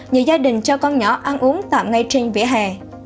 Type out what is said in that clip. nhiều gia đình cho con nhỏ ăn uống tạm ngay trên vỉa hè